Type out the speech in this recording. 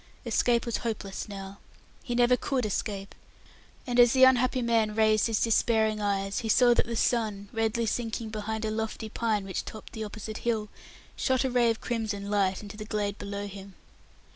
Escape was hopeless now. He never could escape; and as the unhappy man raised his despairing eyes, he saw that the sun, redly sinking behind a lofty pine which topped the opposite hill, shot a ray of crimson light into the glade below him.